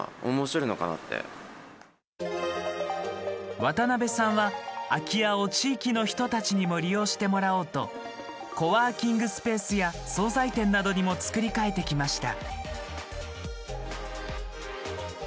渡邊さんは、空き家を地域の人たちにも利用してもらおうとコワーキングスペースや総菜店などにも造り替えてきました。